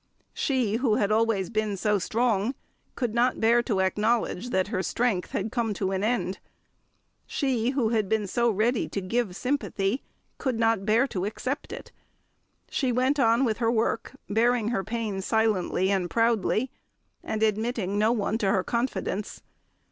She, who had always been so strong, could not bear to acknowledge that her strength had come to an end. She, who had been so ready to give sympathy, could not bear to accept it. She went on with her work, bearing her pain silently and proudly, and admitting no one to her confidence.